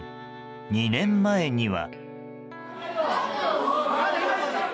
２年前には。